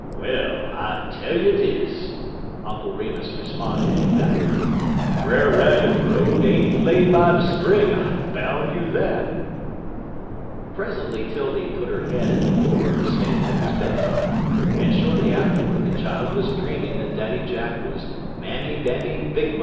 "Well, I tell you dis," Uncle Remus responded emphatically, "Brer Rabbit road ain't lay by de spring; I boun' you dat!" Presently 'Tildy put her head in the door to say that it was bedtime, and shortly afterward the child was dreaming that Daddy Jack was Mammy Bammy Big Money in disguise.